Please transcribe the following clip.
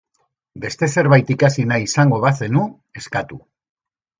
Beste zerbait ikasi nahi izango bazenu, eskatu.